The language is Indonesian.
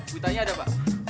witanya ada apa